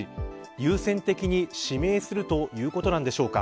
優先的に指名するということなのでしょうか。